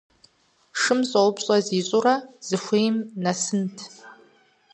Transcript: Шым щӏэупщӏэ зищӏурэ, зыхуейм нэсынт.